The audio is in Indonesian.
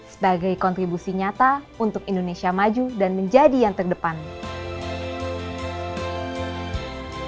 sebagai kontribusi nyata untuk indonesia maju dan menjadi yang terdepan